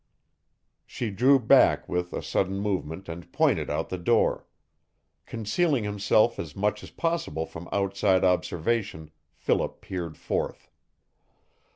She drew back with, a sudden movement and pointed out the door. Concealing himself as much as possible from outside observation Philip peered forth.